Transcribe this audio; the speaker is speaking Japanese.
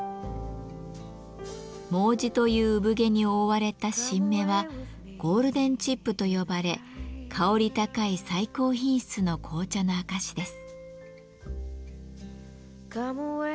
「毛茸」という産毛に覆われた新芽はゴールデンチップと呼ばれ香り高い最高品質の紅茶の証しです。